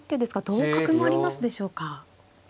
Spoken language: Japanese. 同角もありますでしょうか。